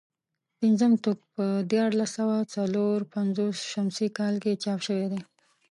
پنځم ټوک په دیارلس سوه څلور پنځوس شمسي کال کې چاپ شوی دی.